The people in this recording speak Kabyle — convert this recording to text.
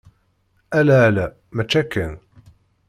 Ala, ala! Mačči akken.